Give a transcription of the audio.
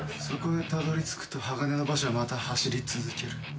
そこへたどり着くと鋼の馬車はまた走り続ける。